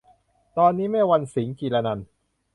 ตอนนี้ แม่วรรณสิงห์ จิรนันท์